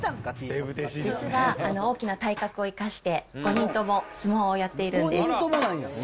実は大きな体格を生かして、５人とも相撲をやっているんです。